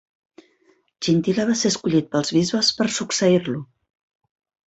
Chintila va ser escollit pels bisbes per succeir-lo.